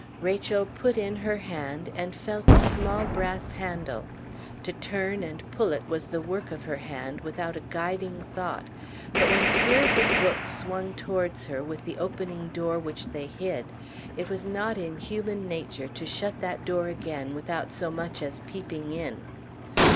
Rachel put in her hand, and felt a small brass handle; to turn and pull it was the work of her hand without a guiding thought; but when tiers of books swung towards her with the opening door which they hid, it was not in human nature to shut that door again without so much as peeping in.